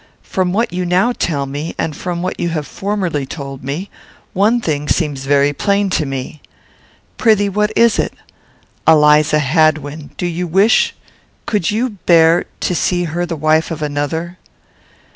From what you now tell me, and from what you have formerly told me, one thing seems very plain to me." "Pr'ythee, what is it?" "Eliza Hadwin: do you wish could you bear to see her the wife of another?"